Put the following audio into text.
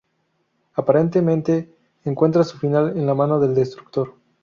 Aparentemente encuentra su final en la mano del Destructor.